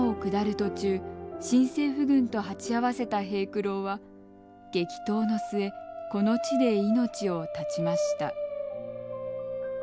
途中新政府軍と鉢合わせた平九郎は激闘の末この地で命を絶ちました。